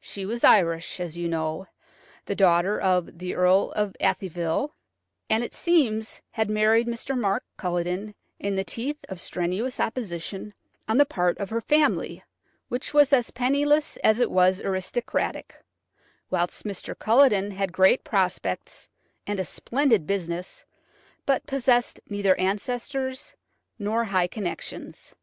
She was Irish, as you know, the daughter of the Earl of Athyville, and, it seems, had married Mr. Mark Culledon in the teeth of strenuous opposition on the part of her family, which was as penniless as it was aristocratic, whilst Mr. Culledon had great prospects and a splendid business, but possessed neither ancestors nor high connections.